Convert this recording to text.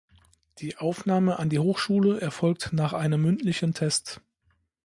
Die Aufnahme an die Hochschule erfolgt nach einem mündlichen Test.